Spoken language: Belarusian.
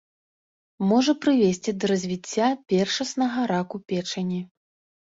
Можа прывесці да развіцця першаснага раку печані.